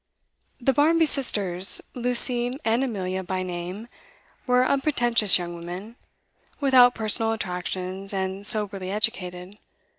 The Barmby sisters, Lucy and Amelia by name, were unpretentious young women, without personal attractions, and soberly educated.